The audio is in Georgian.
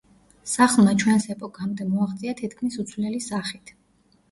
სახლმა ჩვენს ეპოქამდე მოაღწია თითქმის უცვლელი სახით.